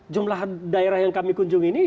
jumlah daerah yang kami kunjungi ini